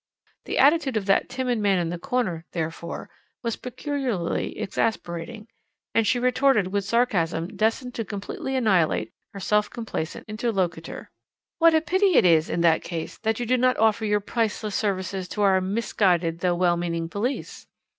The attitude of that timid man in the corner, therefore, was peculiarly exasperating, and she retorted with sarcasm destined to completely annihilate her self complacent interlocutor. "What a pity it is, in that case, that you do not offer your priceless services to our misguided though well meaning police."